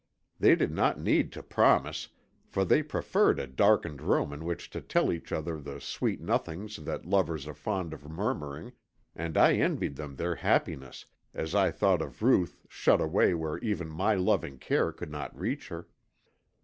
They did not need to promise, for they preferred a darkened room in which to tell each other the sweet nothings that lovers are fond of murmuring, and I envied them their happiness as I thought of Ruth shut away where even my loving care could not reach her.